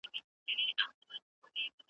مدرسې خلاصي پوهنتون بند دی `